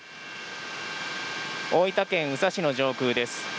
大分県宇佐市の上空です。